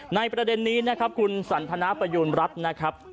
ประเด็นนี้นะครับคุณสันทนาประยูณรัฐนะครับ